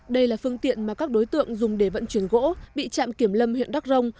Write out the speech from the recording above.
đây là phương tiện mà các đối tượng dùng để vận chuyển gỗ bị trạm kiểm lâm huyện đắc rông